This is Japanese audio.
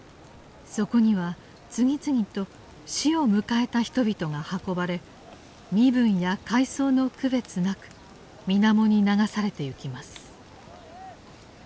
そこには次々と死を迎えた人々が運ばれ身分や階層の区別なく水面に流されてゆきます。